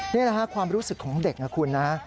นี่แหละค่ะความรู้สึกของเด็กนะคุณนะ